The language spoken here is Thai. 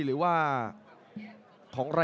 และแพ้๒๐ไฟ